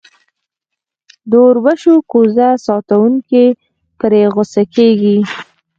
د اوربشو کوزه ساتونکی پرې غصه کېږي.